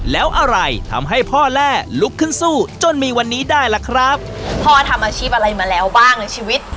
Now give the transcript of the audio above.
แล้วอะไรทำให้พ่อแร่ลุกขึ้นสู้จนมีวันนี้ได้ล่ะครับพ่อทำอาชีพอะไรมาแล้วบ้างในชีวิต